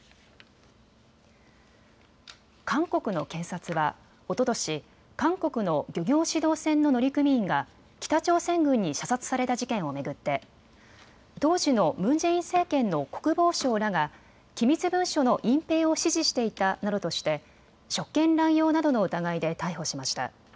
韓国の検察は、おととし韓国の漁業指導船の乗組員が北朝鮮軍に射殺された事件を巡って当時のムン・ジェイン政権の国防相らが機密文書の隠蔽を指示していたなどとして、職権乱用などの疑いで逮捕しました。